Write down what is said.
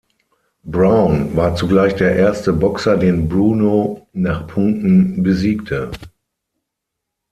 Brown war zugleich der erste Boxer den Bruno nach Punkten besiegte.